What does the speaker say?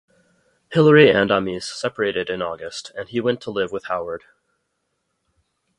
Hilary and Amis separated in August, and he went to live with Howard.